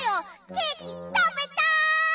ケーキたべたい！